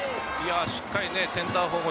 しっかりセンター方向